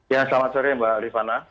ya selamat sore mbak rifana